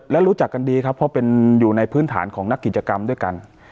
และรู้จักกันดีครับเพราะเป็นอยู่ในพื้นฐานของนักกิจกรรมด้วยกัน